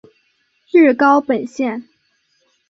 日高本线。